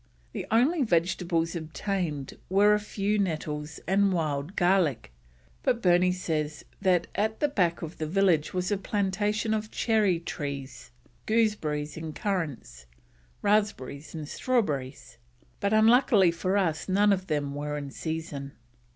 The only vegetables obtained were a few nettles and wild garlic, but Burney says that at the back of the village was a plantation of cherry trees, gooseberries and currants, raspberries and strawberries, "but unluckily for us none of them in season."